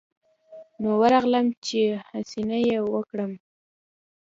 نو ورغلم چې حسنه يې وركړم.